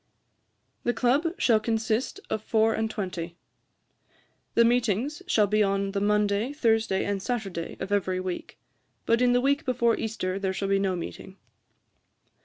] 'The Club shall consist of four and twenty. 'The meetings shall be on the Monday, Thursday, and Saturday of every week; but in the week before Easter there shall be no meeting.